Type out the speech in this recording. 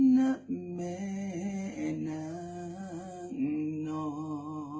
ณแม่นางนอน